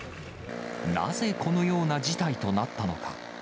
なぜこのような事態となったのか。